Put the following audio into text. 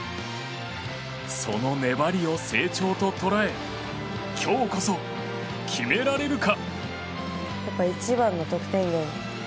その粘りを成長と捉え今日こそ決められるか。